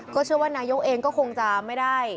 เชื่อว่านายกเองก็คงจะไม่ได้